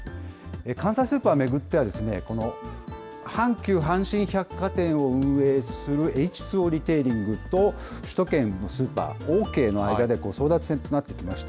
関西スーパーを巡っては、この阪急阪神百貨店を運営するエイチ・ツー・オーリテイリングと、首都圏のスーパー、オーケーの間で争奪戦となってきました。